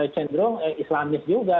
cenderung islamis juga